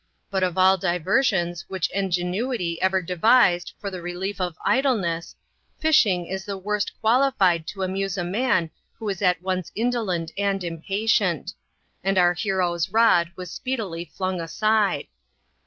But of all diversions which ingenuity ever devised for the relief of idleness, fishing is the worst qualified to amuse a man who is at once indolent and impatient; and our hero's rod was speedily flung aside.